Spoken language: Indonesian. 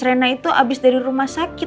rena itu abis dari rumah sakit